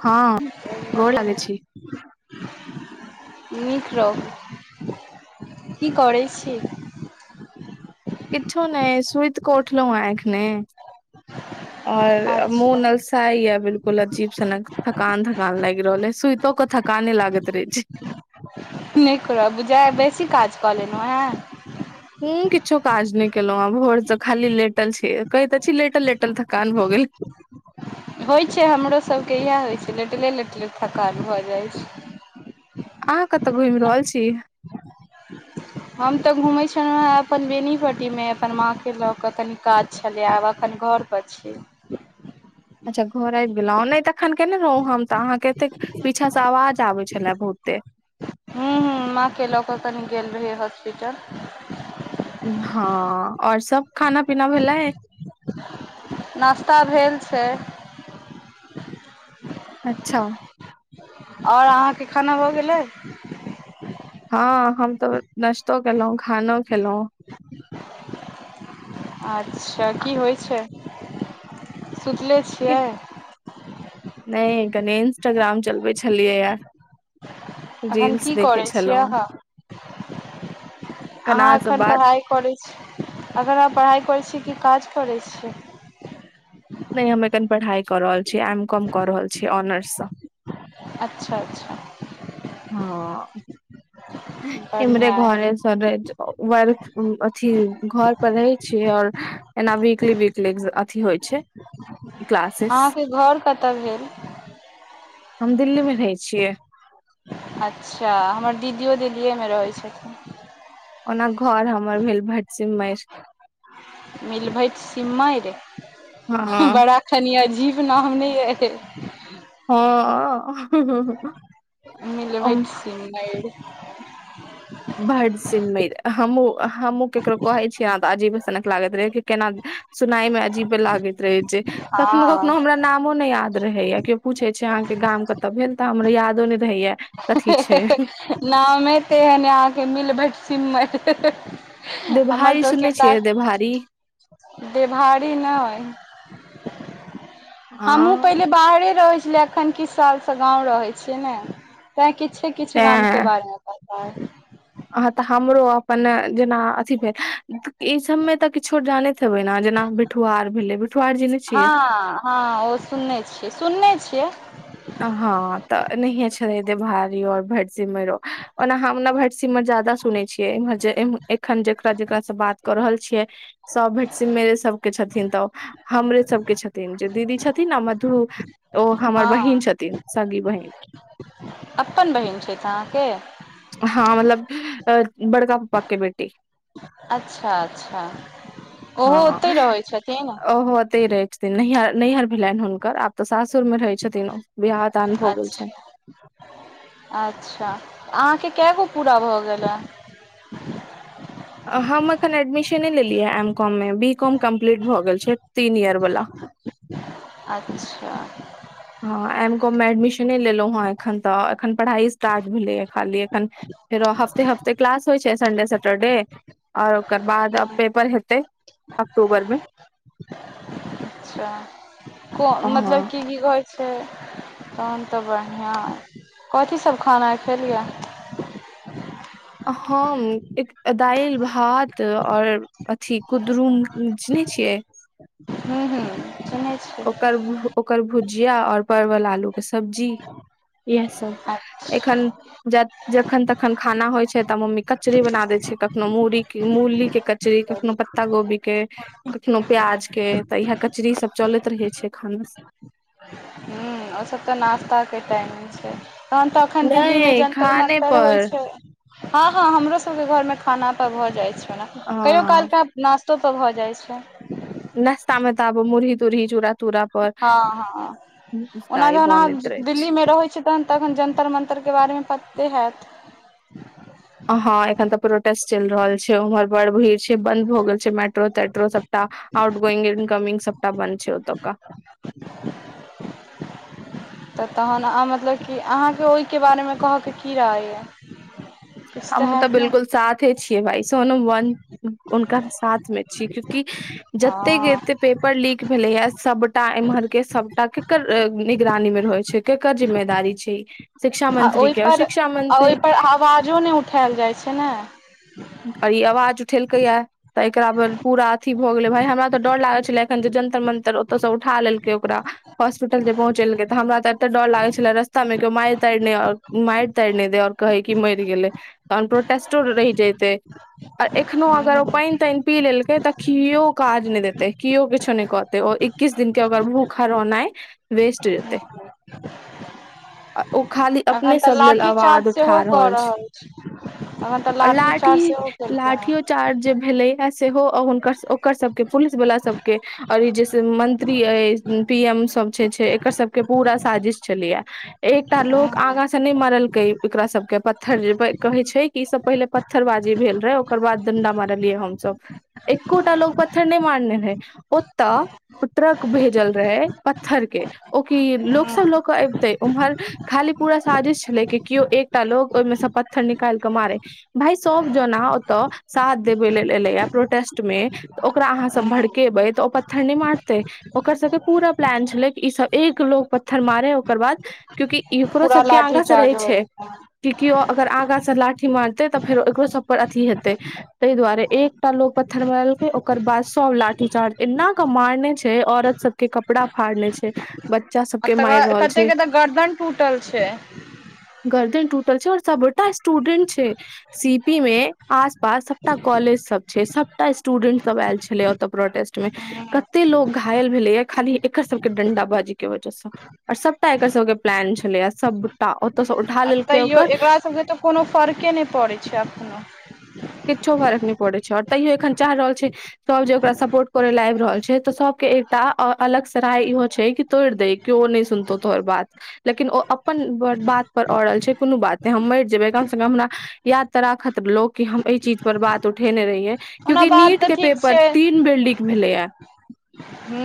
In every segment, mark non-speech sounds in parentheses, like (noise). हँ गोर लागै छी निक रहो। की करें छे। किछो नहि सुति के उठलो है ऐखने आओर अच्छा मुनअल्स तय या बिल्कुल अजीब सनक थकान थकान लागि रहल ह सुतो केऽ थकाने लागैत रहेत छै। नै करब बूझे आइ बेबी काज क लेलू ह। ॐह किछो काज नहि केलहुँ आ भोरसँ खाली लेटल छी कहै त छी लेटल लेटल थकान भऽ गेल। होय छै हमरोसभके इएह होय छै लेटले लेटले थकान भऽ जाइत छै। अहाँ कतऽ घूमि रहल छी। हम त घुमै छलहुँ ह अपन बेनीपट्टीमे अपन माँ क लऽ कऽ तनि काज छलै आब एखन घरपर छी। अच्छा घर आबि गेलहुँ नहि तखन केने रहौ हम अहाँके एते पीछा से आवाज आबै छले बहुते हूँ हूँ माँके लऽ कऽ कनि गेल रहि हॉस्पिटल हँ आ ओर सब खाना पीना भेलै नश्ता भेल छै। अच्छा आओर अहाँके खाना भऽ गेलै हँ हम तऽ नाश्तो केलू खानो खेलहुॅं अच्छा की होइ छै सुतले छियै। नहि कनी इंस्टाग्राम चलबे छलियै य एखन की करै छियै छलहुँ हेँ अहाँ अहाँ अहाँ से एखन बात पढ़ाइ करै छी अगर अहाँ पढ़ाइ करैत छी कि काज करै छी। नहि हम एखन पढ़ाई कर रहल छी एम कॉम क रहल छिये ऑनर्स स अच्छा अच्छा हँ अ हींह इम्हरे बढ़िआँ अइ घर अछि (inaudible) ऐना वीकली वीकली अथी होइ छै। क्लासेस अहाँके घर कतऽ भेल हम दिल्ली मे रहै छियै। अच्छा हमर दीदीयो दिल्लीएमे रहै छैथ। ओना घर हमर भेल भटसिमैर मिल भट सिम्मैर हँ बड़ा कनि अजीव नाम ने ऐय हँ अ अऽ मिल भइ सि मार, ह, बडसीमैर, हमूँ, हमहूँ केकरो कहै छियै ने तऽ, अजीब सनक लागैत रहै छै, कि केना, सुनाय मे अजीबे लागैत रहै छै कखनो- कखनो हँ हमरा नामो नै याद रहैया केओ। पूछे छै आहाँके गाम कतऽ भेल तऽ हमरा यादो नै रहैया। कथी छै ह-ह-ह नाम तेहन है आहाँके मिलभटसिम्मर। देभारी सुनने छियै देभारी? देभारी नैय। हमहूँ हँ पहिले बाहरे रहै छेलियै एखन किछ सालसँ गाँव रहै छियै ने। तैं किछे- किछे गाम के बारे मे पता अइ। आहाँ तऽ हमरो अपन जेना अथि भेल ई सबमे तऽ किछो जानैत- हेबै नऽ जेना बिठुआर भेलेै बिठुआर जने छियै। हँ हँ ओ सुनने छियै सुनने छियै। हँ तऽ नैहिए छोड़ेतै भाबियो और भैट- सिमरो ओना हमना भटसिमर जादा सुने छियै इम्हर जे इम एखन जेकरा- जेकरा सँ बात- कऽ रहल छियै सब भेटसिमरे सब के छथिन तऽ। हमरे सबके छथिन जे दीदी छथिन नऽ मधु। ओ हमर हँ बहिन छथिन सगी बहिन। अपन बहिन छैथ आहाँके। हँ मतलब अ बड़का पप्पा के बेट- अच्छा- अच्छा ओहो हँ ओतैय रहै छथिन? नैहर-नैहर भेलैन हुनकर आब तऽ सासुर मे रहै छथिन ओ बियाह दान भऽ गेल छैन। अच्छा अच्छा आहाँके केए गो पूरा भऽ गेल ए? हम एखन एडमिशने लेलियै एम कॉम मे बी कॉम कम्प्लीट भऽ गेल छै तीन इयर बला। अच्छा हँ एम कॉम मे एडमिशने लेलौ हेँ एखन तऽ एखन पढ़ाइ स्टार्ट भेलैए खाली एखन। फेरो हफ्ते -हफ्ते क्लास होय छै सन्डे सटरडे। आऔर ओकर बाद पेपर हेतै अक्टूबरमे। अच्छा को मतलब की- की कहै। छै तहन तऽ बढ़िआँ अइ कथी सब खाना आय खेलियै? हम एक दैल, भात, और- अथि कुदरूम चिन्है छियै? हुँ, हूँ। सुनै छियै ओकर-ओकर भुजिया और परवल आलू- सब्जी इहे सब अच्छा एखन जखन तखन खाना होय छै। तऽ मम्मी कचरी बना देै छै कखनो मुरी मुरली के कचरी, कखनो पत्ता गोभी के- कखनो प्याज के तऽ इएह कचरीसब चलैत रहै छै खाना- हूँ ओसब तऽ नाास्ता के टाइम छै। तहन तऽ अखन दिल्ली मे नहि जंतर खाने मन्तर होय पर छै। हँ, हँ हमरोसबके घरमे खाना तऽ भऽ जाइ छै ओना कहियो ह कालकऽ। नाश्तो सब भऽ जाय छै। नास्ता मे तब, मुुरही तुुरही चूरा- हँ, हँ ओना ई जहन आहाँ बनैत रहे दिल्ली छै मे रहै छै तहन- तखन जन्तर मन्तर के बारे मे पत्ते हेएत? हँ एखन तऽ प्रोटेस चैल रहल छै उम्हर बड़ भीड़ छै। बंद भऽ गेल छै मेट्रो तेट्रो सबटा आउट गोइंग इनकमिंग सबटा बन्द छै ओतोका। तऽ तहन हाँ मतलब कि आहाँके ओय के बारेमे कहके की राय या? हम तऽ बिल्कुल साथे छियै भाइ सोनू वन उनका साथ मे छिय क- क, जते हँ कते पेपर लीक, भेले य, सबटा इम्हर के, सबटा केकर निगरानी मे रहै छै, केकर जिम्मेदारी छै ई, आ ओहिप आ ओहिपर आवाजो नहि उठायल जाइत छै ने अर ई आवाज उठेल कैय तऽ एकरापर पूरा अथी भऽ गेलै भाय हमरा तऽ डर लागैत छलै एखन जे जन्तर मन्तर ओतयसँ उठा लेलकै ओकरा हॉस्पिटल जे पहुचेलकै तऽ हमरा तऽ एतेक डर लागै छलै रस्ता मे केओ मारि तारने आ मारि तारि नहि दे आओर कहै कि मरि गेलै तहन प्रोटेस्टो रहि जते आर एखनो अगर ओ ह पानि तानि पी लेलकै तऽ केओ काज नहि देते किओ किछो नहि कहते ओ किस दिन के अगर भूखा रोनाइ ह ओ खाली अखन अपने सब लेल आवाज उठा रहल छै। हमरा तऽ लाठी चार्ज सेहो केलकै हैं। इ चार्ज भेले य सेहो ओकर सबके पुलिस वाला सब के और ई जेैसे मंत्री पी एम सब छै छै एकर सबके पूरा साजिश छलैया। एकटा लोग हँ आगा से नहि मारलकै एकरा सबके प प कहै छै कि ई सब पहिले पत्थरबाजी भेल रहे ओकर बाद दंडा मारलियै हमस एकोटा लोक पत्थर नहि मारने ह ओ तऽ ट्रक भेजल रहेै पत्थर के ओकी लोक ह सब लऽ कऽ अबिते उम्हर खाली पूरा साजिश छलै कि केओ एकटा लोग ओहिमेसँ पत्थर निकालके मारे भााय सब जना ओतऽ साथ देबे लेल एले हा प्रोटेस्ट मे तऽ ओकरा अहाँ सब ह भड़केबै तऽ ओ पत्थर नहि मारतै ओकर सबके पूरा प्लान छलै ईसभ एक लोग पत्थर मारे ओकर बाद क्यंि एककरो सब के आगा से रहे छै। हँ। कि केओ अगर आगाँसँ लाठी मारतै तऽ फेर ओरो सभपर अथिी हेतै। ताहि दुआरे एकटा लोग पत्थर मेलकै ओकर बाद सब लाठी चार्ज एना क मारने छै औरत सब के कपड़ा फाड़ ले छै। बच्चा आ सबके मारि त रहल कते छै कतऽ गर्दन टूटल छै। गर्दन टूटल छै और सबटा स्टूडेंट छै। सी पी मे आसपास सबटा कॉलेज सब छै सबटा स्टूडेंट सब आयल छलै ओत प्रोटेस्ट मे कते लो घायल भेलै या खाली एकर सबके डं्ड बाजी के वजहसँ आर सभटा एकर सबके प्लान छले आ सबटा ओतसँ उठा आ लेलक तैयो एकरा सबके तऽ कोनो फर्के नहि पड़ै छै एखो किछो फरक नहि पड़ै छै आओर तैयो एखन चाहि रहल छै। सब जे ओकरा सपोर्ट करे लए आबि रहल छै तऽ सबके एकटा अलग स राय इहो छै कि तोड़ दे। केओ नहि सुनतौ तोहर बात लेकिन ओ अपन बात पर और छै। कोनो बात ह हम मरि जेबे कम से कम हमरा याद तऽ राखत लोग क हम एहि चीज पर बात उठेने रहिये ओना क्यूंि बात नीट तऽ के ठीक पेपर छै तीन बिल्डिंग भेलै है। ह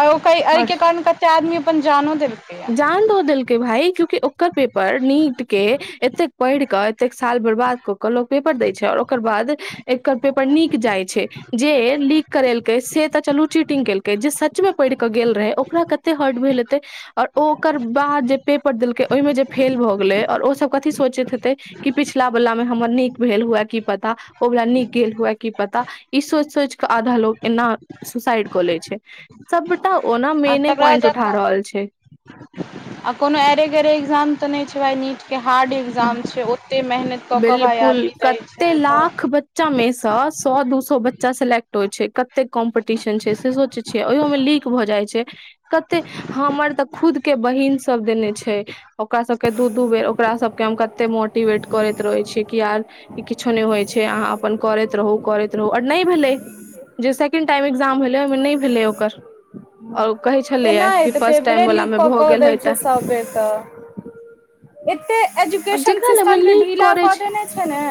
आ ओ एहि के कारण कते आदमी अपन जानो दे जान्ो दल के भाइ चूँकि ओकर पेपर नीट के एतेक पढ़ क एतेक साल बर्बाद क के लोग पेपर दै छै आऔर ओकर बाद एकर पेपर नीक जाइ छै। जे लीक करेलकै से तऽ चलू चीटिंग केलकै जे सचमे पढ़ि कऽ गेल रहे ओकरा कत हट बल त ओ ओकर बाद जे पेपर देलकै ओहिमें जे फेल भए गेले और ओ सब कथी सोचैत हेते कि पिछला वला मे हमर नीक भेल हुए की पता ओवला नीक गेल हुए की पता ई सोच सोच के आधा लोग एना सुसाइड क लै छै सबटा ओना आ मेने तकरा पॉइंट उठा जकाँ रहल छै आ कोनो एरे गरे ए्जाम त नै छै भाइ नीट के हार्ड एक्जाम छै ओतेक मेहनत क क भाय बिल्कुल आदमी दै कते छै त लाख बच्चा मे से सौ दू सौ बच्चा सेलेक्ट होइ छै कते कॉम्पटीशन छै से सोचे छै ओयो मे लीक भ जाइ छै कते हमर त खुद के बहिन सब देने छै ओकरा सभके दू दू बेर ओकरा सभके हम कते मोटिवेट करैत रहै छिये कि यार कि किछो नै होइ छै अहाँ अपन करैत रहू करैत रहू आर नै भेलै जे सेकेंड टाइम ए्जाम भेलै ओहि मे नै भेलै ओकर ओर उ कहे छलेये केना कि फर्स्ट टाइम वाला मे भ गेल हे त से बे त एते आओर एजुकेशन जेकरा लग मे सिस्टम के लीक ढीला करै क देने छै ने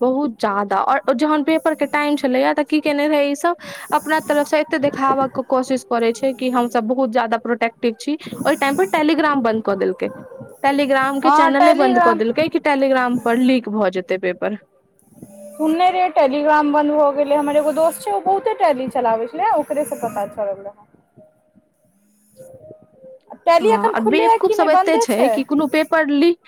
बहुत ज्याददा आओर जहन पेपर के टाइम छलैए त की केने रहे ई सभ अपना तरफसँ एतेक देखाब के कोशिश करैत छै कि हम सभ बहुत ज्यादा प्रोटेक्टिव छी ओहि टाइम पर टेलीग्राम बंद क देलकै टेलीग्राम के हँ चैनले बन्द क टेलीग्राम देलकै कि टेलीग्राम पर लीक भ जेतै पेपर (unintelligible) सुनने रै टेलीग्राम बन्द भ गेलै हमर एोगो दोस्त छै ओ बहुते टेली चलाबैत छलै ओकरे से पता चललै हँ (unintelligible) टेली हँ एखन आ खुलले ऐ बेवकूफ कि नै सब एते बन्दे छै कि कोनो पेपर लीक।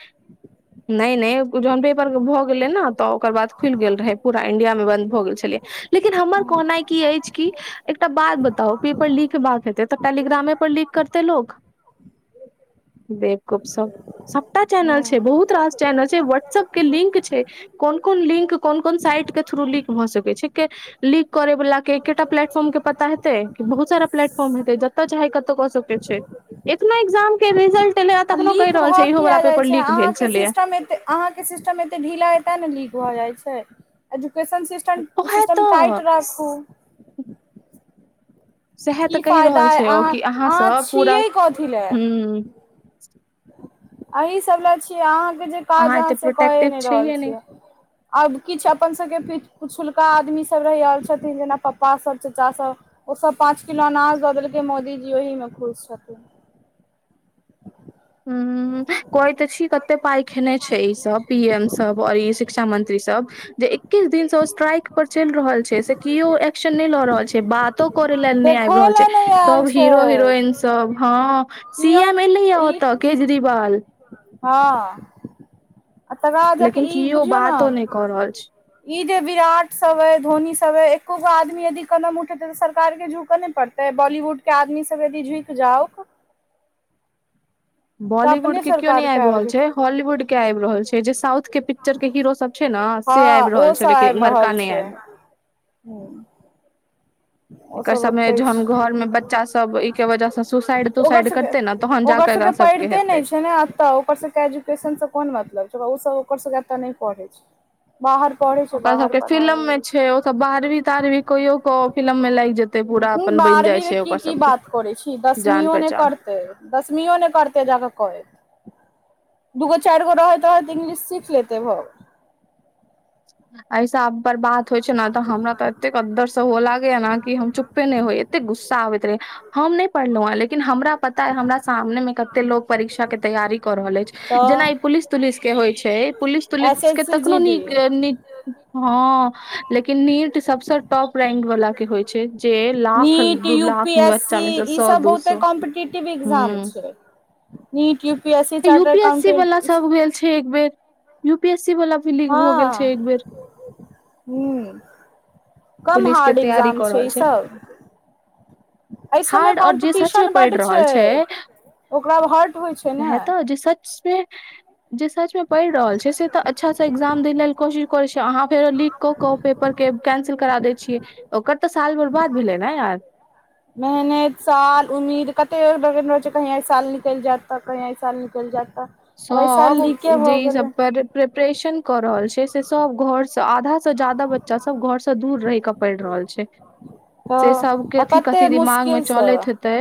नै नै जोहन पेपर भ गेलै ने त ओकर बाद खुलि गेल रहै पूरा इंडिया मे बन्द भ गेल छलै लेकिन हमर कहनाइ की अछि कि एकटा बात बताउ पेपर लिकबाक हेते त टेलीग्रामे पर लिक करते लोग बेबगुपशप सबटा चैनल छै बहुत रास चैनल छै व्हाट्सएप के लिंक छै कोन कोन लिंक कोन कोन साइट के थ्रू लिंक सकै छै के लीक करे वला के एकेटा प्लेटफॉर्म के पता हेतै कि बहुत सारा प्लेटफॉर्म हेतै जत जत चाहे कतौ क सके छै एखनो एग्जाम के रिजलट एले आ तखनो कहि लीक रहल भऽ छै इहो वाला पेपर लीक भेल छलेय अहा के सिस्टम एते ढीला ते ने लीक भए जाय छै एजुकेशन सिस् ऐजूकेशन ओहे सिस्टम टाइट तऽ राखू सैहा त की कहि फायदा रहल अइ छै ओ कि अहाँ सब पूरा छियै कथी हम्म अहीसभ लेलए छियै अहाँकेँ जे काज अहाँ एते से कए प्रोटेक्टिव नै रहल छैहे नहि छियै आओर किछु अपन सभ के पिछुलका आदमी सभ रहि आ छथिन जेना पापा सभ चाचा सभ ओ सभ पाँच किलो अनाज द देलकै मोदीजी ओहि मे खुश छथिन हम्म हम्म कहै ते छी कते पाइ खेने छै ई सब पी एम सब आओर ई शिक्षा मंत्री सब जे एकीस दिनसँ ओ स्ट्राइक पर चलि रहल छै से कियो एक्शन ननै ल रहल छै बात तो करै ल नै आबि देखो रहल छै ले नहि आयल तब हीरो छै हिरोइन सब हँ सी कियो एम ए लैय ई अत केजरीवाल हँ आ तकराद लेकिन ई केओ बुझियौ ने बातो नहि कऽ रहल छै ई जे विराट सब ऐ धोनी सब ऐ एकोगो आदमी यदि कलम उठेतै त सरकारके झुूक नै पड़तै त बॉलीवुड के आदमी सब यदि झुकि जाउ तऽ बॉलीवुड अपने के कियो नहि सरकार के आबि रहल छै जेतै हॉलीवुड के आबि रहल छै जे साउथ के पिक्चर के हीरो सब छै ने से हँ आबि ओ रहल छै लेकिन एम्हरका नहि आब रहल हू एकर सबमे जहन छै घर में बच्चा सब ऐके वजह सँ सुसाइड ओकर तुसाइड सबके करते ने तहन जा कऽ एकरा सब के हेतै। तऽ ओकर सभके एजुकेशनसँ कोन मतलब छै ओ सब ओकर सभके एतय नहि पढ़ै छै। बाहर पडै़ छै ओकरा बाहर सबके पढ़ा फिल्म मे रहल छै। ओ सब बारबी तारबी कहियो कऽ। बारहवींमे की ओकर की सबके बात करै छी जान दसमीयो नै पहचान करतै। दसमियो नहि करतै जाकऽ कहैत दूगो चारि गो रहैत रहै तऽ इंग्लिश सीख लेतै भ गेल। ऐइसा आब बरबाद होइ छै ने तऽ हमरा तऽ एतेक अद्दर सँ होअ लागेया ने कि हम चुप्पे नै होय एते गुस्सा आबैत रहे। हम नै पढ़लहुं हेँ लेकिन हमरा पता ऐ हमरा सामने मे कते लोक परीक्षा के तैयारी कऽ रहल अछि। जेना तऽ ई पुलिस तुलिस के होइ छै पुलिस एस तुलिस के एस सी तखनो जी नीक डी नी हाँ लेकिन नीट सबसँ टॉप रैंक वला के होइ छै जे लाख नीट दू U P lakh S C बच्चामे से ई सौ सब दू बहुते सौ कॉम्पिटेटिव एग्जाम हुँ। छै NEET U P S C charter UP SC accountant वला सब भेल छै एक बेेर। यूपी एस सी वला भी लीक भऽ गेल छै। एक बेर हुं। कम पुलिस के हार्ड तैयारी एग्जाम कऽ छै रहल ईसभ। ऐ सभमे हार्ड आओर जे सच मे कॉम्पिटिशन पढ़ि बड रहल छै छैय। ओकरा अब हर्ट होइ छै ने। है तऽ जे सच मे जे सच में पड़ई रहल छै से तऽ अच्छा से एग्जाम दे लेल कोशिश अहाँ फेर लीक कऽकऽ ओ पेपर के कैंसिल करा दै छियै। ओकर तऽ साल बरबाद भेलै ने यार। मेहनेत साल उम्मीद कतेक लगेने रहै छै कहीं एहिइ साल निकैल जेएत तह कहीं एहि साल निकैल जेएत तह। सब जे ई सब प्रेपरेशन कऽ रहल छै से सब घोर सँ आधा सबसे जादा बच्चा सब घोरसँ दूर रहि कऽ पढ़ई रहल छै। से सब तऽ के आ कथि कते कथि दिमाग में मुश्किलसँ चलैत हेतै।